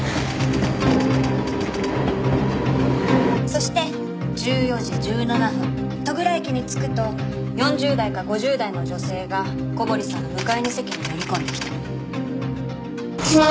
そして１４時１７分戸倉駅に着くと４０代か５０代の女性が小堀さんの向かいの席に乗り込んできた。